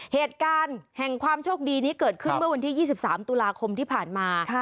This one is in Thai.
เหตุการณ์แห่งความโชคดีนี้เกิดขึ้นเมื่อวันที่๒๓ตุลาคมที่ผ่านมา